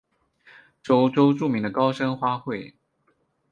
是欧洲著名的高山花卉。